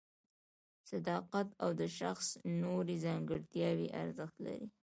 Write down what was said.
صداقت او د شخص نورې ځانګړتیاوې ارزښت لري.